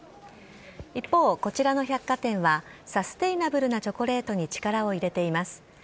一方、こちらの百貨店はサステナブルなチョコレートに力を入れています。